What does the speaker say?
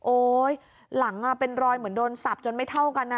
หลังเป็นรอยเหมือนโดนสับจนไม่เท่ากันนะ